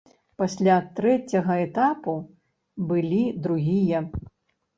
Пасля трэцяга этапу былі другія.